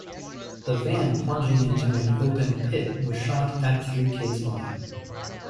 The van plunging into an open pit was shot at Three Kids Mine.